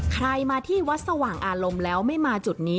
ใครมาที่วัดสว่างอารมณ์แล้วไม่มาจุดนี้